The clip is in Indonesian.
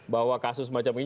bahwa kasus macam ini